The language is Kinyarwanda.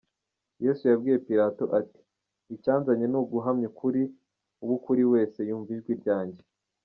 Yesu yabwiye Pilato ati : “Icyanzanye ni uguhamya ukuri, uw’ ukuri wese yumva ijwi ryanjye”.